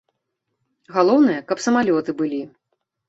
Галоўнае, каб самалёты былі.